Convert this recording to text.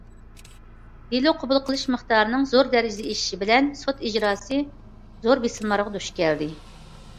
دېلو قوبۇل قىلىش مىقدارىنىڭ زور دەرىجىدە ئېشىشى بىلەن سوت ئىجراسى زور بېسىملارغا دۇچ كەلدى.